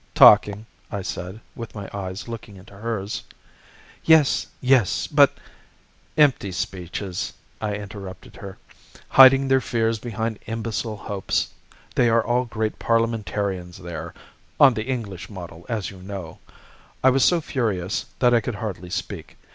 "'Talking,' I said, with my eyes looking into hers. "'Yes, yes, but ' "'Empty speeches,' I interrupted her. 'Hiding their fears behind imbecile hopes. They are all great Parliamentarians there on the English model, as you know.' I was so furious that I could hardly speak.